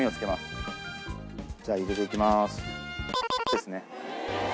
じゃあ入れていきます。